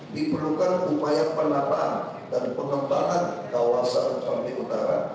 diperlukan upaya penataan dan penempatan kawasan partai utara